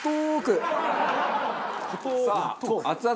さあ熱々